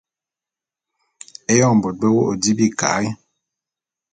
Éyoñ bôt be wô’ô di bika’e.